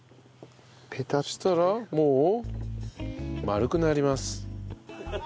そしたらもう丸くなります。